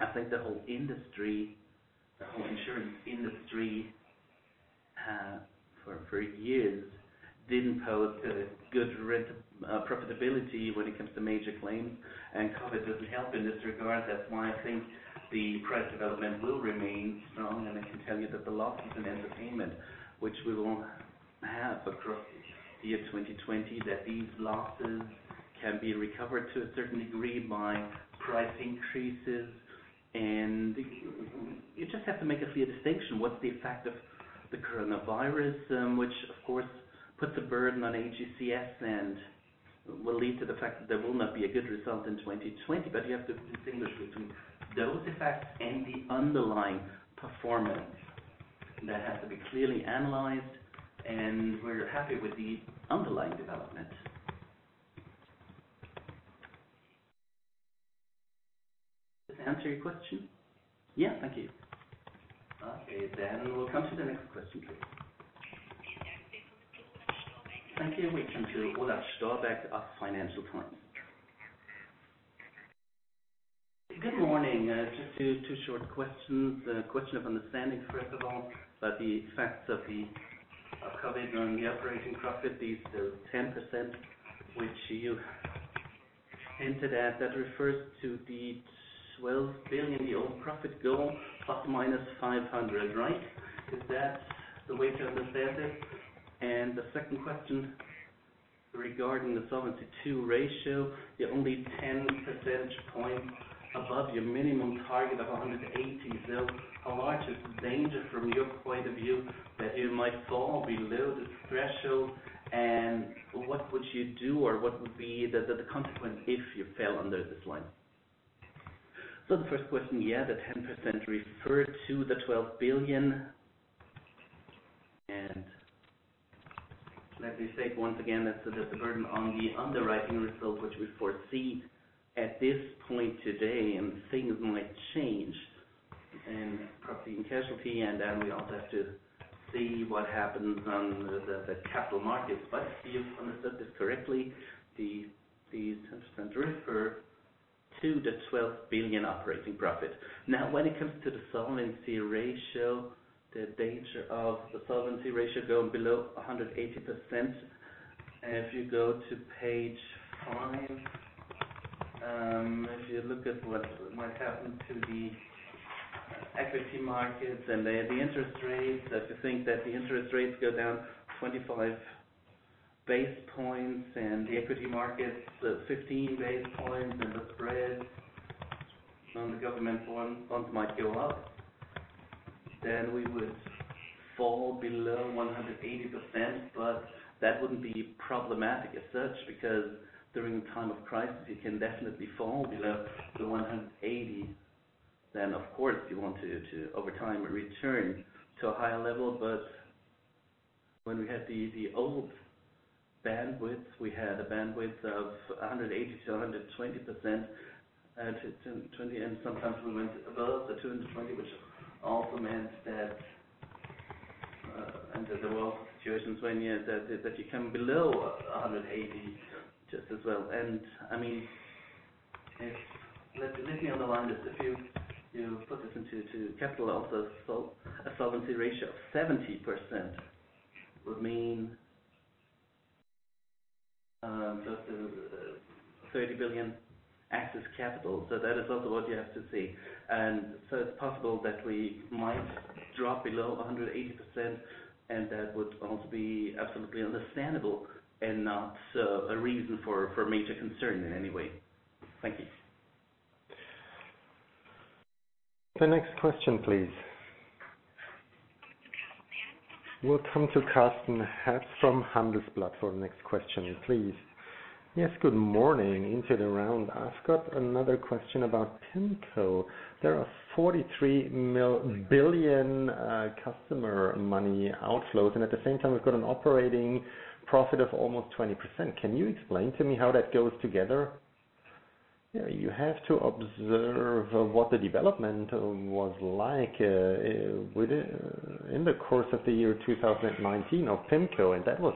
I think the whole industry, the whole insurance industry for years didn't pose good profitability when it comes to major claims. And COVID doesn't help in this regard. That's why I think the price development will remain strong. And I can tell you that the losses in Entertainment, which we will have across the year 2020, that these losses can be recovered to a certain degree by price increases. And you just have to make a clear distinction. What's the effect of the coronavirus, which of course puts a burden on AGCS and will lead to the fact that there will not be a good result in 2020? But you have to distinguish between those effects and the underlying performance that has to be clearly analyzed. And we're happy with the underlying development. Does that answer your question? Yeah. Thank you. Okay. Then we'll come to the next question, please. Thank you. We come to Olaf Storbeck of Financial Times. Good morning. Just two short questions. Question of understanding, first of all, about the effects of COVID on the operating profit. These 10%, which you hinted at, that refers to the €12 billion euro profit goal plus or minus €500 million, right? Is that the way to understand it? And the second question regarding the Solvency II ratio, you're only 10 percentage points above your minimum target of 180. So how large is the danger from your point of view that you might fall below this threshold? And what would you do or what would be the consequence if you fell under this line? So the first question, yeah, the 10% refer to the €12 billion. And let me state once again that the burden on the underwriting result, which we foresee at this point today, and things might change and probably in casualty. And then we also have to see what happens on the capital markets. But if you've understood this correctly, the 10% refer to the €12 billion operating profit. Now, when it comes to the solvency ratio, the danger of the solvency ratio going below 180%. If you go to page five, if you look at what happened to the equity markets and the interest rates, if you think that the interest rates go down 25 basis points and the equity markets 15 basis points and the spread on the government bonds might go up, then we would fall below 180%. But that wouldn't be problematic as such because during a time of crisis, you can definitely fall below the 180. Then, of course, you want to, over time, return to a higher level. But when we had the old bandwidth, we had a bandwidth of 180%-120%. And sometimes we went above the 220, which also meant that there were also situations when you come below 180 just as well. I mean, let me underline this if you put this into capital. Also, a solvency ratio of 70% would mean 30 billion excess capital. So that is also what you have to see. And so it's possible that we might drop below 180%. And that would also be absolutely understandable and not a reason for major concern in any way. Thank you. The next question, please. We'll come to Carsten Herz from Handelsblatt for the next question, please. Yes. Good morning. Into the round. I've got another question about PIMCO. There are 43 billion customer money outflows. And at the same time, we've got an operating profit of almost 20%. Can you explain to me how that goes together? Yeah. You have to observe what the development was like in the course of the year 2019 of PIMCO. That was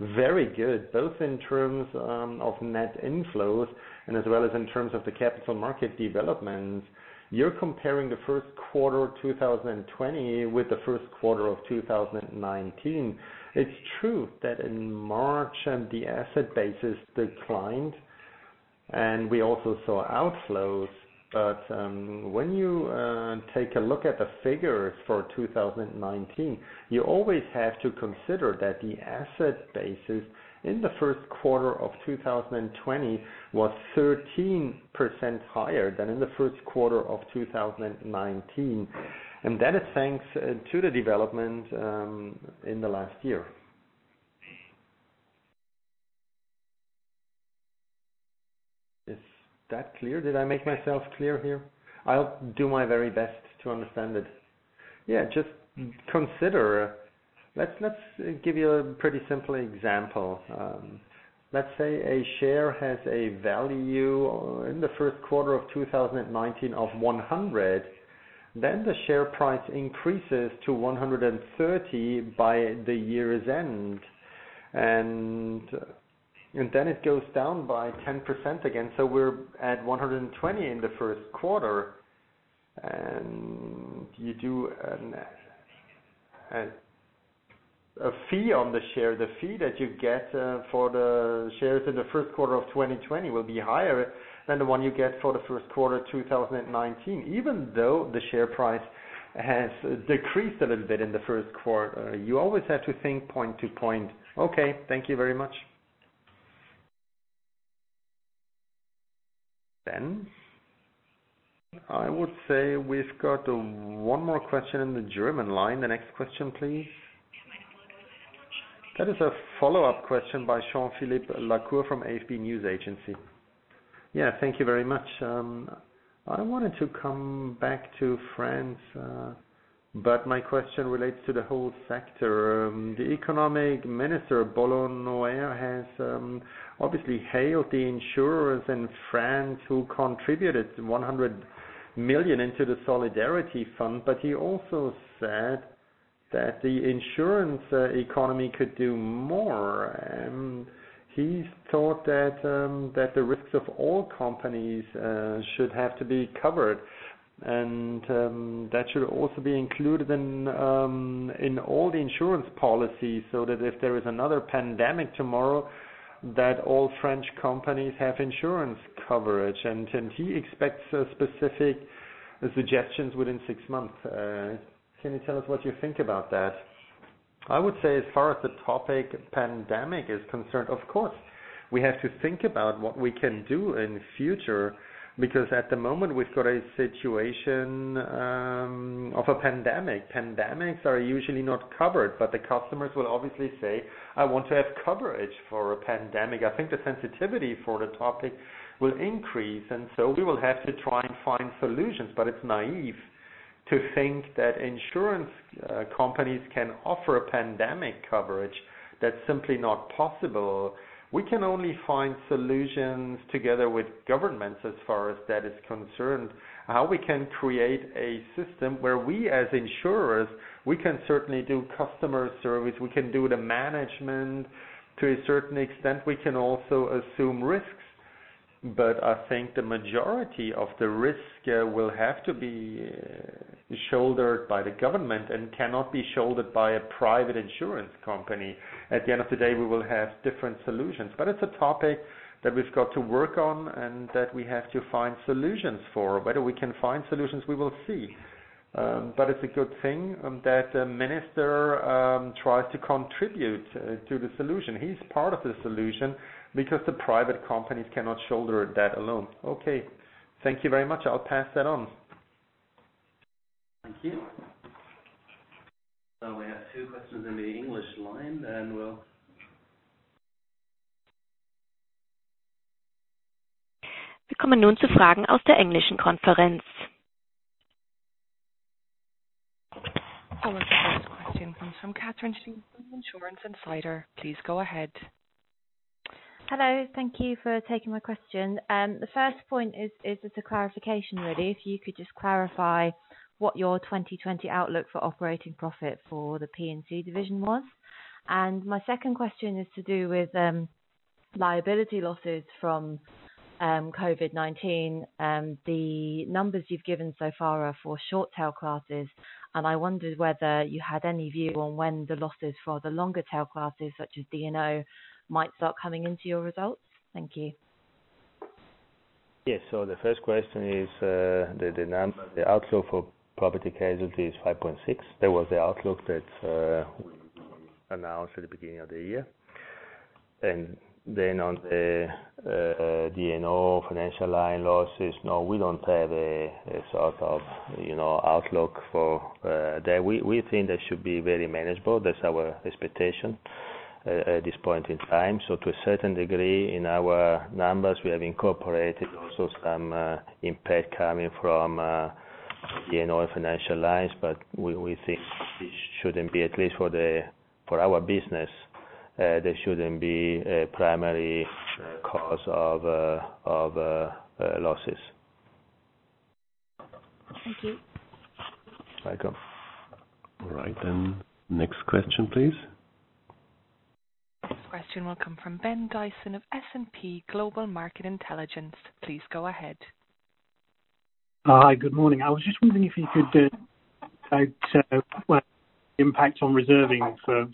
very good, both in terms of net inflows and as well as in terms of the capital market developments. You're comparing the first quarter of 2020 with the first quarter of 2019. It's true that in March, the asset basis declined. And we also saw outflows. But when you take a look at the figures for 2019, you always have to consider that the asset basis in the first quarter of 2020 was 13% higher than in the first quarter of 2019. And that is thanks to the development in the last year. Is that clear? Did I make myself clear here? I'll do my very best to understand it. Yeah. Just consider. Let's give you a pretty simple example. Let's say a share has a value in the first quarter of 2019 of 100. Then the share price increases to 130 by the year's end. Then it goes down by 10% again. So we're at 120 in the first quarter. And you do a fee on the share. The fee that you get for the shares in the first quarter of 2020 will be higher than the one you get for the first quarter of 2019. Even though the share price has decreased a little bit in the first quarter, you always have to think point to point. Okay. Thank you very much. Then I would say we've got one more question in the German line. The next question, please. That is a follow-up question by Jean-Philippe Lacour from AFP News Agency. Yeah. Thank you very much. I wanted to come back to France, but my question relates to the whole sector. The economic minister, Bruno Le Maire, has obviously hailed the insurers in France who contributed €100 million into the Solidarity Fund. But he also said that the insurance economy could do more, and he thought that the risks of all companies should have to be covered, and that should also be included in all the insurance policies so that if there is another pandemic tomorrow, that all French companies have insurance coverage, and he expects specific suggestions within six months. Can you tell us what you think about that? I would say as far as the topic pandemic is concerned, of course, we have to think about what we can do in the future because at the moment, we've got a situation of a pandemic. Pandemics are usually not covered. But the customers will obviously say, "I want to have coverage for a pandemic." I think the sensitivity for the topic will increase, and so we will have to try and find solutions. But it's naive to think that insurance companies can offer a pandemic coverage. That's simply not possible. We can only find solutions together with governments as far as that is concerned, how we can create a system where we as insurers, we can certainly do customer service. We can do the management to a certain extent. We can also assume risks. But I think the majority of the risk will have to be shouldered by the government and cannot be shouldered by a private insurance company. At the end of the day, we will have different solutions. But it's a topic that we've got to work on and that we have to find solutions for. Whether we can find solutions, we will see. But it's a good thing that the minister tries to contribute to the solution. He's part of the solution because the private companies cannot shoulder that alone. Okay. Thank you very much. I'll pass that on. Thank you. So we have two questions in the English line. Then we'll. Willkommen nun zu Fragen aus der englischen Konferenz. I'll answer the first question from Catrin Shi, Insurance Insider. Please go ahead. Hello. Thank you for taking my question. The first point is a clarification, really. If you could just clarify what your 2020 outlook for operating profit for the P&C division was. And my second question is to do with liability losses from COVID-19. The numbers you've given so far are for short-tail classes. And I wondered whether you had any view on when the losses for the longer-tail classes, such as D&O, might start coming into your results? Thank you. Yes. So the first question is the outlook for Property Casualty is €5.6 billion. That was the outlook that we announced at the beginning of the year. And then on the D&O financial line losses, no, we don't have a sort of outlook for that. We think that should be very manageable. That's our expectation at this point in time. So to a certain degree, in our numbers, we have incorporated also some impact coming from D&O and financial lines. But we think it shouldn't be, at least for our business, there shouldn't be a primary cause of losses. Thank you. Welcome. All right. Then next question, please. Next question will come from Ben Dyson of S&P Global Market Intelligence. Please go ahead. Hi. Good morning. I was just wondering if you could, well, impact on reserving for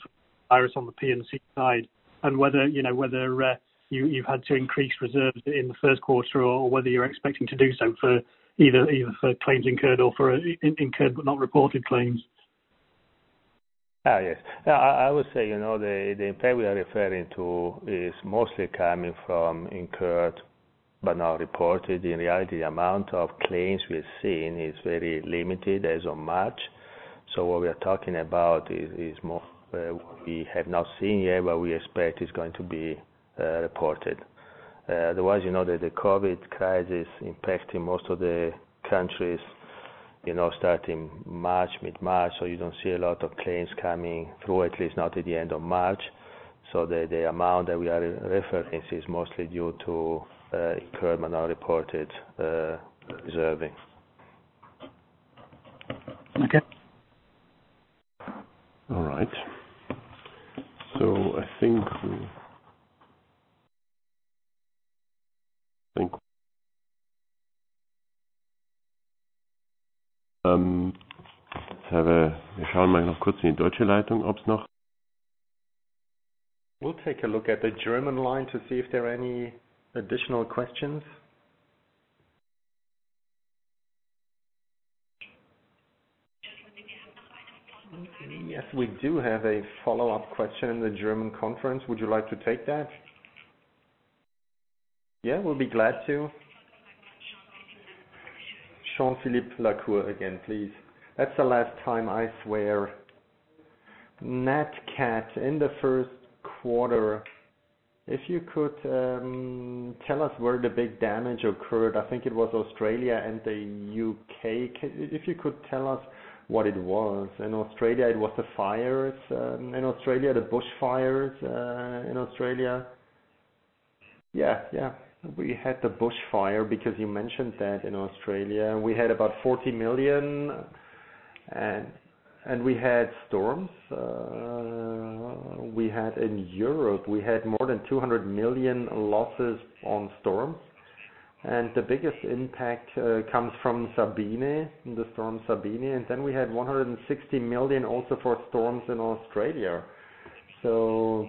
IBNR on the P&C side and whether you've had to increase reserves in the first quarter or whether you're expecting to do so either for claims incurred or for incurred but not reported claims. Yes. I would say the impact we are referring to is mostly coming from incurred but not reported. In reality, the amount of claims we've seen is very limited, as of March. So what we are talking about is more we have not seen yet what we expect is going to be reported. Otherwise, the COVID crisis impacting most of the countries starting March, mid-March, so you don't see a lot of claims coming through, at least not at the end of March. So the amount that we are referring to is mostly due to incurred but not reported reserving. Okay. All right. So I think Ich schaue mal noch kurz in die deutsche Leitung, ob es noch. We'll take a look at the German line to see if there are any additional questions. Yes. We do have a follow-up question in the German conference. Would you like to take that? Yeah. We'll be glad to. Jean-Philippe Lacour again, please. That's the last time, I swear. NatCat in the first quarter, if you could tell us where the big damage occurred. I think it was Australia and the U.K. If you could tell us what it was. In Australia, it was the fires, the bushfires. Yeah. We had the bushfire because you mentioned that in Australia. We had about 40 million. And we had storms. In Europe, we had more than 200 million losses on storms. And the biggest impact comes from Sabine, the storm Sabine. And then we had 160 million also for storms in Australia. So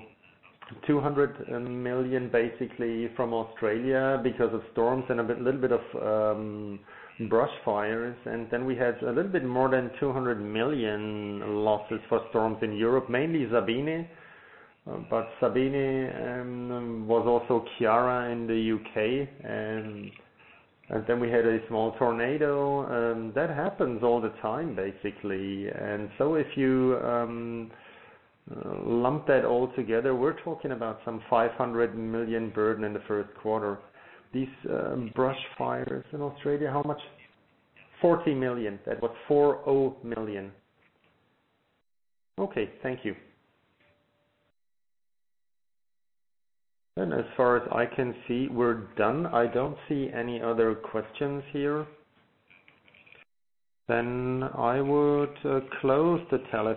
200 million, basically, from Australia because of storms and a little bit of bushfires. And then we had a little bit more than 200 million losses for storms in Europe, mainly Sabine. But Sabine was also Ciara in the UK. And then we had a small tornado. That happens all the time, basically. And so if you lump that all together, we're talking about some €500 million burden in the first quarter. These bushfires in Australia, how much? €40 million. That was €40 million. Okay. Thank you. Then as far as I can see, we're done. I don't see any other questions here. Then I would close the call.